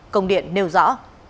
công điện nêu rõ